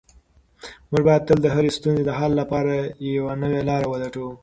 موږ باید تل د هرې ستونزې د حل لپاره یوه نوې لاره ولټوو.